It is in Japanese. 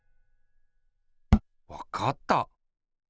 わかった！